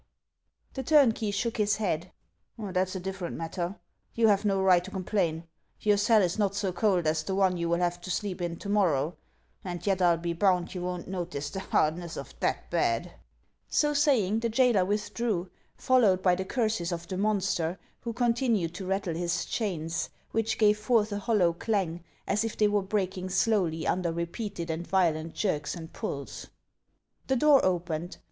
The turnkey shook his head :" That 's a different matter ; you have no right to complain. Your cell is not so cold as the one you will have to sleep in to morrow, and yet I '11 be bound you won't notice the hardness of that bed." HANS OF ICELAND. 501 So saying, the jailer withdrew, followed by the curses of the monster, who continued to rattle his chains, which gave forth a hollow clang as if they were breaking slowly under repeated and violent jerks and pulls. The door opened.